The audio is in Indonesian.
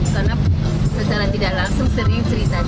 karena secara tidak langsung sering cerita cerita